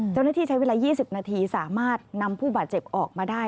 เจ้าหน้าที่ใช้เวลา๒๐นาทีสามารถนำผู้บาดเจ็บออกมาได้